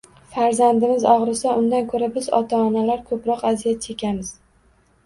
Farzandimiz og’risa, undan ko‘ra, biz – ota-onalar ko‘proq aziyat chekamiz.